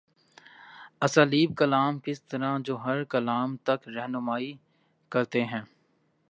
اسالیب کلام کس طرح جوہرکلام تک راہنمائی کرتے ہیں؟